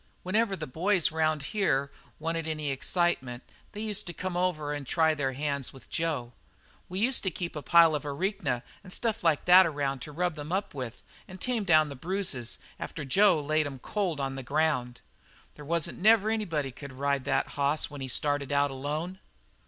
"Whenever the boys around here wanted any excitement they used to come over and try their hands with Jo. We used to keep a pile of arnica and stuff like that around to rub them up with and tame down the bruises after Jo laid 'em cold on the ground. There wasn't never anybody could ride that hoss when he was started out alone.